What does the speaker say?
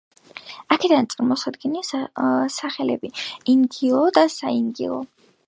აქედან წარმოსდგება სახელები „ინგილო“ და „საინგილო“.